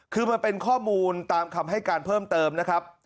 คือมันเป็นข้อมูลตามคำให้การเพิ่มเติมนะครับ